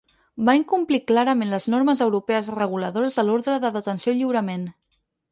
Va incomplir clarament les normes europees reguladores de l’ordre de detenció i lliurament.